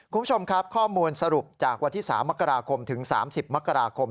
คุณผู้ชมครับข้อมูลสรุปจากวันที่๓มกราคมถึง๓๐มกราคม